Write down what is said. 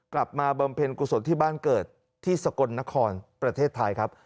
บำเพ็ญกุศลที่บ้านเกิดที่สกลนครประเทศไทยครับ